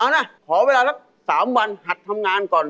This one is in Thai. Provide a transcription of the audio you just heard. เอานะขอเวลาสัก๓วันหัดทำงานก่อน